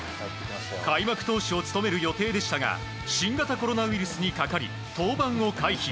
開幕投手を務める予定でしたが新型コロナウイルスにかかり登板を回避。